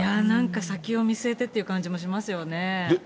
なんか先を見据えてって感じもしますよね。